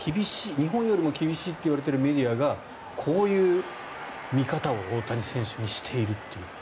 日本よりも厳しいといわれているメディアがこういう見方を大谷選手にしているという。